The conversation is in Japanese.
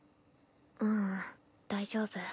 ううん大丈夫。